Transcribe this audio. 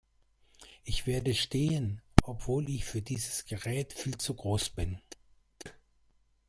Ich werde stehen, obwohl ich für dieses Gerät viel zu groß bin.